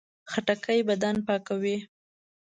خټکی بدن پاکوي.